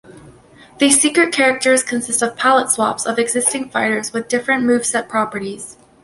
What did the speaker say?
These secret characters consist of palette swaps of existing fighters with different moveset properties.